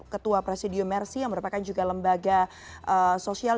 ketua presidium mercy yang merupakan juga lembaga sosial